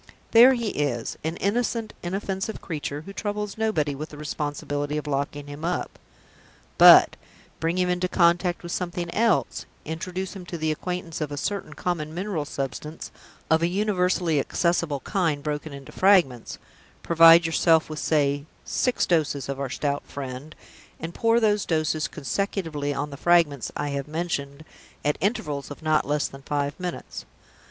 There he is, an innocent, inoffensive creature, who troubles nobody with the responsibility of locking him up! But bring him into contact with something else introduce him to the acquaintance of a certain common mineral substance, of a universally accessible kind, broken into fragments; provide yourself with (say) six doses of our Stout Friend, and pour those doses consecutively on the fragments I have mentioned, at intervals of not less than five minutes.